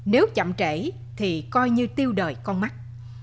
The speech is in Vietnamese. nếu chậm trễ thì coi như tiêu đời con mắt